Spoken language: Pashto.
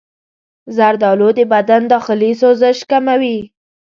زردآلو د بدن داخلي سوزش کموي.